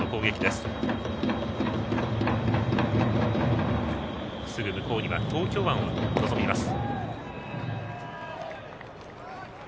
すぐ向こうには東京湾を望みます。